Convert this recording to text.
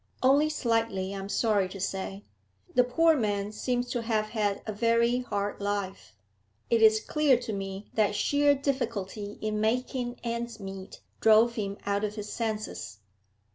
'Only slightly, I am sorry to say. The poor man seems to have had a very hard life; it is clear to me that sheer difficulty in making ends meet drove him out of his senses.